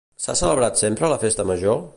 S'ha celebrat sempre la festa major?